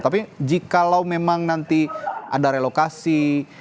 tapi jikalau memang nanti ada relokasi